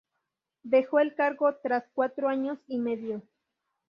Dejó el cargo tras cuatro años y medio.